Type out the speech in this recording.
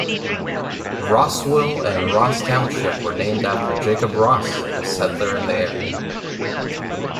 Rossville and Ross Township were named after Jacob Ross, a settler in the area.